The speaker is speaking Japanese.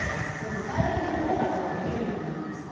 具体的にどういったことができるようになるんですか。